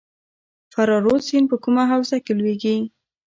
فرا رود سیند په کومه حوزه کې لویږي؟